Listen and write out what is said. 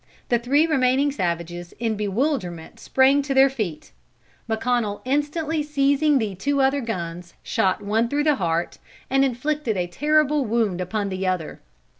The three remaining savages in bewilderment sprang to their feet. McConnel instantly seizing the two other guns, shot one through the heart, and inflicted a terrible wound upon the other.